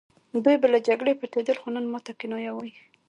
دوی به له جګړې پټېدل خو نن ماته کنایه وايي